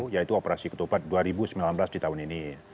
yaitu operasi ketupat dua ribu sembilan belas di tahun ini